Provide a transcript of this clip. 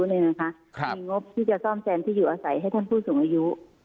มีงบที่จะซ่อมแซมที่อยู่อาศัยให้ท่านผู้สูงอายุ